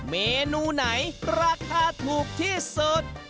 เมนูไหนราคาถูกที่สุด